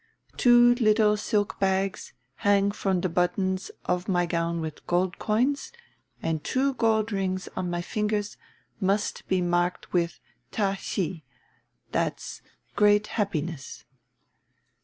Two little silk bags hang from the buttons of my gown with gold coins, and two gold rings on my fingers must be marked with Ta hsi, that's great happiness."